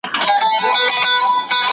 که وخت وي، لیکل کوم!!